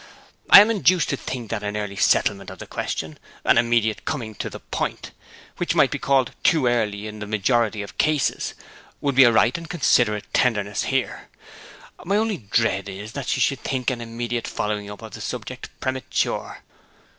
I am induced to think that an early settlement of the question an immediate coming to the point which might be called too early in the majority of cases, would be a right and considerate tenderness here. My only dread is that she should think an immediate following up of the subject premature.